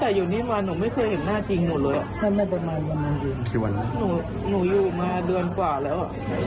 หนูอยู่มาเดือนกว่าแล้ว